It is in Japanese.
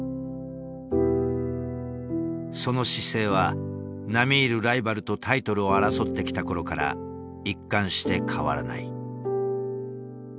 その姿勢は並み居るライバルとタイトルを争ってきた頃から一貫して変わらない。